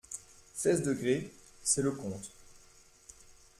Seize degrés ; c’est le compte.